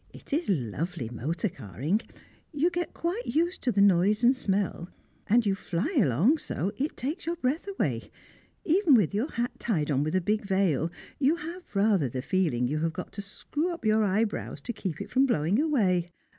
It is lovely motor carring; you get quite used to the noise and smell, and you fly along so, it takes your breath away; even with your hat tied on with a big veil, you have rather the feeling you have got to screw up your eyebrows to keep it from blowing away.